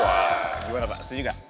wah gimana pak setuju nggak